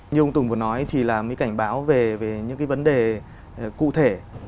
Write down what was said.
như ông tùng vừa nói thì là mới cảnh báo về những cái vấn đề cụ thể